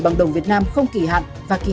bằng đồng việt nam không kỳ hạn và kỳ